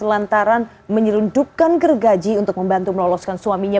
lantaran menyelundupkan gergaji untuk membantu meloloskan suaminya